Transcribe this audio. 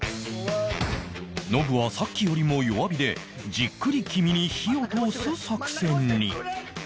ノブはさっきよりも弱火でじっくり黄身に火を通す作戦に